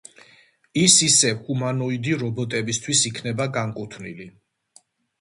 ის ისევ ჰუმანოიდი რობოტებისთვის იქნება განკუთვნილი.